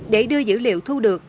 để đưa dữ liệu thu được